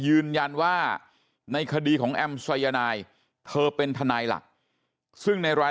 ยืนยันว่าในคดีของแอมสายนายเธอเป็นทนายหลักซึ่งในราย